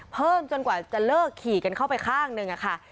เพิ่มจนกว่าจะเลิกขี่กันเข้าไปข้างหนึ่งค่ะ